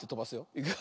いくよ。